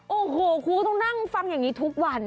โอ้โหครูก็ต้องนั่งฟังอย่างนี้ทุกวัน